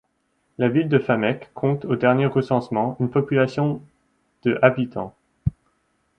La ville de Fameck compte au dernier recensement une population de habitants.